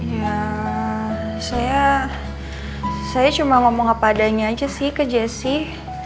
ya saya saya cuma ngomong apa adanya aja sih ke jessie